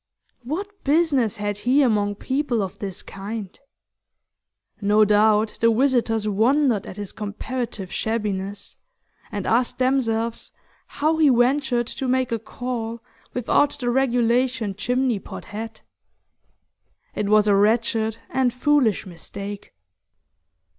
What business had he among people of this kind? No doubt the visitors wondered at his comparative shabbiness, and asked themselves how he ventured to make a call without the regulation chimney pot hat. It was a wretched and foolish mistake.